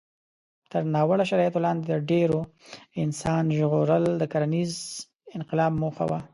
تر ناوړه شرایطو لاندې د ډېرو انسان ژغورل د کرنيز انقلاب موخه وه.